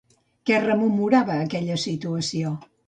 Què rememorava aquella situació?